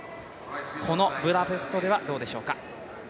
このブダペストではどうでしょうか。